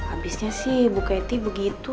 abisnya sih bu kety begitu